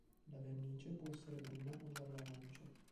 La vernice può essere bruna o gialla arancio.